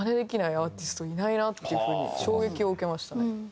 アーティストいないなっていう風に衝撃を受けましたね。